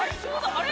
あれ？